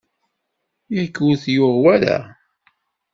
Yak ur t-yuɣ wara?